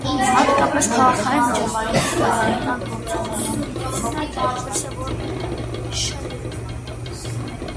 Հատկապես քաղաքային միջավայրի էկոլոգիական գործոնների ազդեցությունն դրսևորվում է մի շարք երևույթներով։